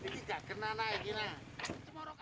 tidak kena lagi lah